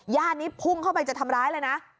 ญาตินี้พุ่งเข้าไปจะทำร้ายเลยนะ